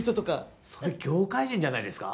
それ業界人じゃないですか？